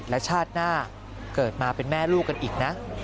และชาติหน้าเกิดมาเป็นแม่ลูกกันอีกนะ